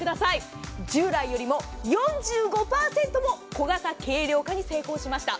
従来よりも４５％も小型・軽量化に成功しました。